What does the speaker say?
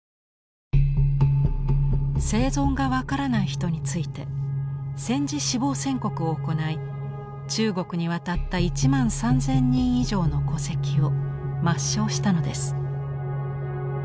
生存が分からない人について戦時死亡宣告を行い中国に渡った１万３，０００人以上の戸籍を抹消したのです。